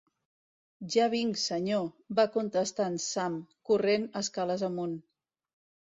"Ja vinc, senyor", va contestar en Sam, corrent escales amunt.